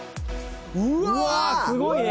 うわっすごいね！